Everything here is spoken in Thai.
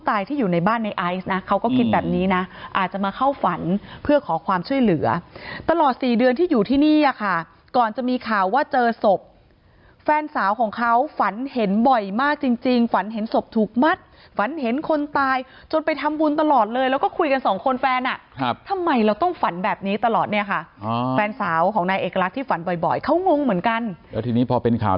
ไอซ์นะเขาก็คิดแบบนี้นะอาจจะมาเข้าฝันเพื่อขอความช่วยเหลือตลอดสี่เดือนที่อยู่ที่นี่อ่ะค่ะก่อนจะมีข่าวว่าเจอศพแฟนสาวของเขาฝันเห็นบ่อยมากจริงจริงฝันเห็นศพถูกมัดฝันเห็นคนตายจนไปทำบุญตลอดเลยแล้วก็คุยกันสองคนแฟนอ่ะครับทำไมเราต้องฝันแบบนี้ตลอดเนี่ยค่ะอ๋อแฟนสาว